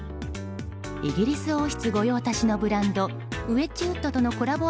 イギリス王室御用達のブランドＷＥＤＧＷＯＯＤとのコラボ